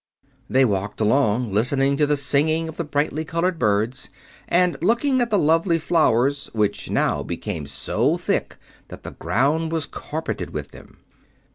They walked along listening to the singing of the brightly colored birds and looking at the lovely flowers which now became so thick that the ground was carpeted with them.